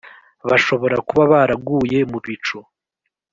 bashobora kuba baraguye mubicu,